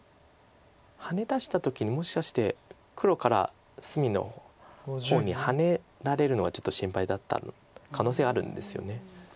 ハネ出した時にもしかして黒から隅の方にハネられるのがちょっと心配だった可能性あるんですよね。